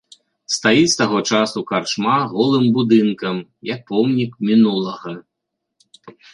Стаіць з таго часу карчма голым будынкам, як помнік мінулага.